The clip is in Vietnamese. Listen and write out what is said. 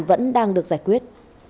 vẫn đang được giải quyết